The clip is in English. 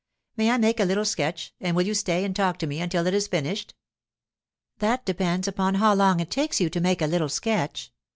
May I make a little sketch, and will you stay and talk to me until it is finished?' 'That depends upon how long it takes you to make a little sketch.